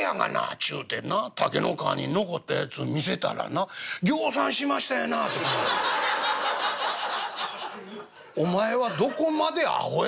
ちゅうてな竹の皮に残ったやつ見せたらな『ぎょうさんしましたんやな』て『お前はどこまでアホや？